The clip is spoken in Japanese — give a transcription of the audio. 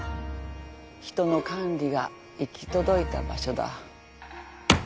人の管理が行き届いた場所だ。